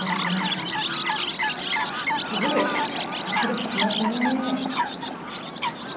すごい！ドキドキしますね。